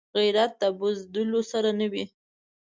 غیرت د بزدلو سره نه وي